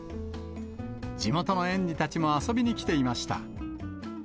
地元の園児たちも遊びに来ていました。